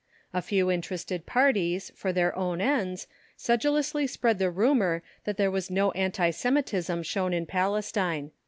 A few interested parties, for their own ends, sedulously spread the rumour that there was no anti Semitism shown in Palestine.